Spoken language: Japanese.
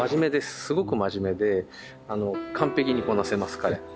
すごく真面目で完璧にこなせます彼。